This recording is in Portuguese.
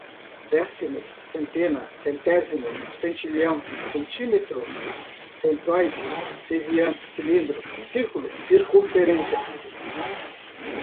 décimos, centena, centésimo, centilhão, centímetro, centroide, ceviana, cilindro, circulo, circunferência